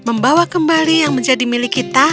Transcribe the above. dan membawa kembali yang menjadi milik kita